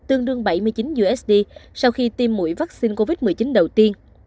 chín usd sau khi tiêm mũi vaccine covid một mươi chín đầu tiên